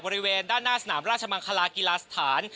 บริเวณด้านหน้าสนามราชมังคลากีฬาสถาน